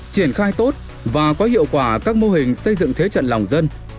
triển khai tốt và có hiệu quả các mô hình xây dựng thế trận lòng dân